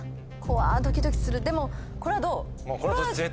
ドキドキするでもこれはどう？